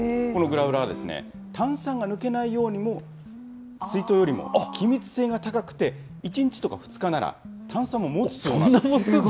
このグラウラーは、炭酸が抜けないようにも、水筒よりも気密性が高くて、１日とか２日なら、炭酸ももつそうなんです。